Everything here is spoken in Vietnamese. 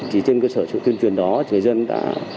chỉ trên cơ sở sự tuyên truyền đó người dân đã